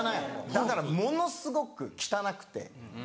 だからものすごく汚くて。